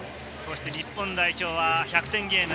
日本代表は１００点ゲーム。